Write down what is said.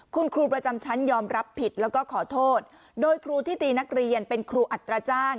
คุณครูประจำชั้นยอมรับผิดแล้วก็ขอโทษโดยครูที่ตีนักเรียนเป็นครูอัตราจ้าง